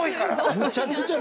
むちゃくちゃ。